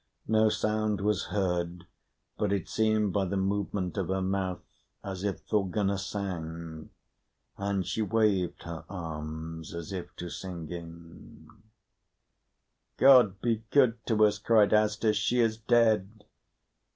No sound was heard, but it seemed by the movement of her mouth as if Thorgunna sang, and she waved her arms as if to singing. "God be good to us!" cried Asdis, "she is dead."